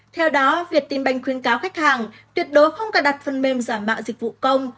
theo đó việt tìm bành khuyến cáo khách hàng tuyệt đối không cài đặt phần mềm giảm mạng dịch vụ công